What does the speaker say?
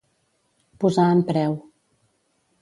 Posar en preu.